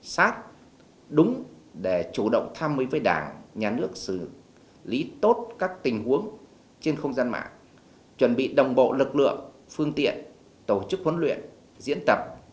sát đúng để chủ động tham mưu với đảng nhà nước xử lý tốt các tình huống trên không gian mạng chuẩn bị đồng bộ lực lượng phương tiện tổ chức huấn luyện diễn tập